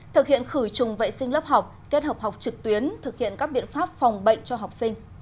thực hiện khử trùng vệ sinh lớp học kết hợp học trực tuyến thực hiện các biện pháp phòng bệnh cho học sinh